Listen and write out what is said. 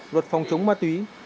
luật phòng chống ma túy